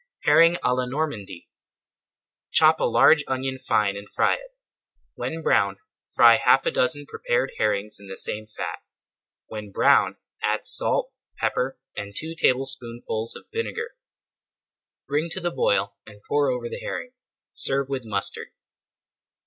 HERRING À LA NORMANDY Chop a large onion fine and fry it. When brown, fry half a dozen prepared herrings in the same fat. When brown add salt, pepper, [Page 200] and two tablespoonfuls of vinegar. Bring to the boil and pour over the herring. Serve with mustard.